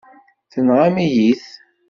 Tenɣam-iyi-t.